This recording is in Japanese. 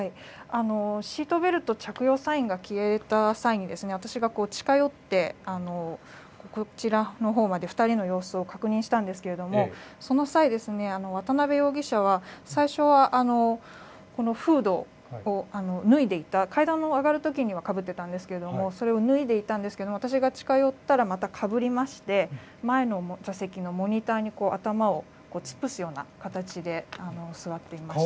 シートベルト着用サインが消えた際に、私が近寄って、こちらのほうまで２人の様子を確認したんですけれども、その際、渡邉容疑者は最初はフードを脱いでいた、階段を上がるときにはかぶってたんですけれども、それを脱いでいたんですけれども、私が近寄ったらまたかぶりまして、前の座席のモニターに頭を突っ伏すような形で座っていました。